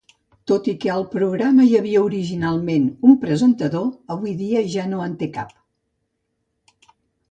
Tot i que al programa hi havia originalment un presentador, avui dia ja no en té cap.